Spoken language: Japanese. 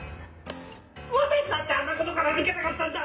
私だってあんなことから抜けたかったんだ！